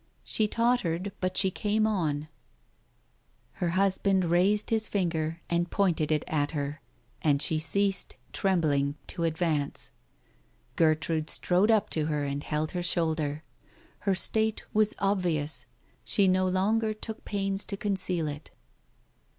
..., She tottered, but she came on. ... Digitized by Google THE TIGER SKIN 319 Her husband raised his finger and pointed it at her, and she ceased, trembling, to advance. ... Gertrude strode up to her and held her shoulder. Her state was obvious — she no longer took pains to conceal it.